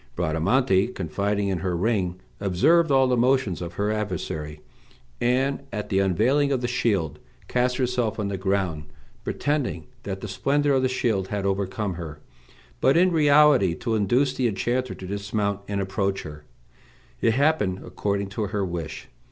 Bradamante, confiding in her ring, observed all the motions of her adversary, and, at the unveiling of the shield, cast herself on the ground, pretending that the splendor of the shield had overcome her, but in reality to induce the enchanter to dismount and approach her. It happened according to her wish.